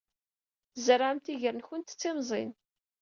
Tzerɛemt iger-nwent d timẓin.